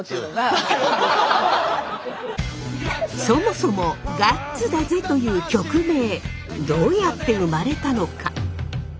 そもそも「ガッツだぜ！！」という曲名どうやって生まれたのか？